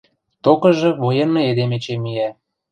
Токыжы военный эдем эче миӓ.